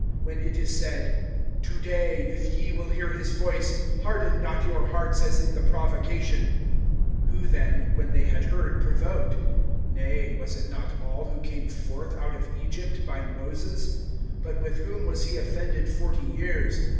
(15)When it is said: To day, if ye will hear his voice, harden not your hearts as in the provocation; (16)who then, when they had heard, provoked? Nay, was it not all who came forth out of Egypt by Moses? (17)But with whom was he offended forty years?